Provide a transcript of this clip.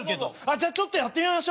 じゃちょっとやってみましょう。